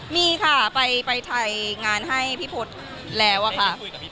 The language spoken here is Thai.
มีค่ะไปถ่ายงานให้พี่พศแล้วอะค่ะ